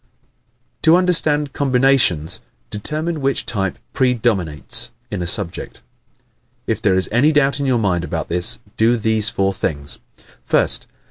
_ To Understand Combinations Determine which type PREDOMINATES in a subject. If there is any doubt in your mind about this do these four things: 1st.